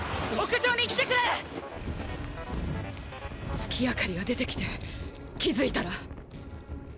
月明かりが出てきて気付いたら。